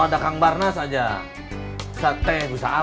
kamu akan berubah dan berubah